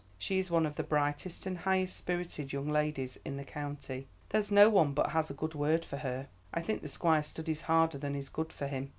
She is one of the brightest and highest spirited young ladies in the county. There's no one but has a good word for her. I think the Squire studies harder than is good for him.